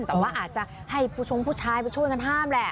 แต่ว่าอาจจะให้ผู้ชงผู้ชายไปช่วยกันห้ามแหละ